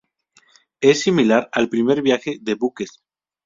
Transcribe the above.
Es similar al primer viaje de buques.